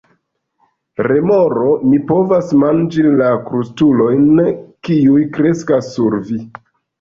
Remoro: "Mi povas manĝi la krustulojn kiuj kreskas sur vi."